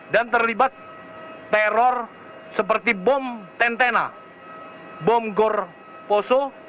dan terlibat teror seperti bom tentena bom gor poso